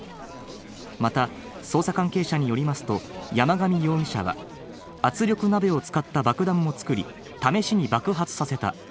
また捜査関係者によりますと山上容疑者は圧力鍋を使った爆弾も作り、試しに爆発させた。